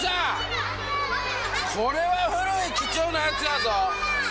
これは古い貴重なやつやぞ。